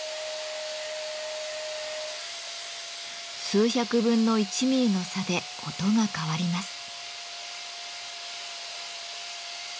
数百分の１ミリの差で音が変わります。